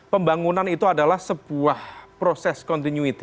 pembangunan itu adalah sebuah proses continuity